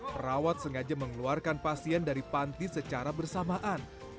perawat sengaja mengeluarkan pasien dari panti secara bersamaan